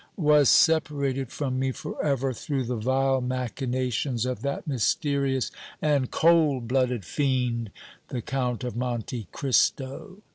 "Was separated from me forever through the vile machinations of that mysterious and cold blooded fiend, the Count of Monte Cristo!"